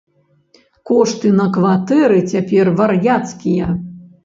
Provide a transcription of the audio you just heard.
Кошты на кватэры цяпер вар'яцкія!